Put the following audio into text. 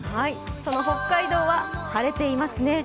その北海道は晴れていますね。